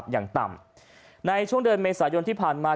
อย่างต่ำในช่วงเดือนเมษายนที่ผ่านมา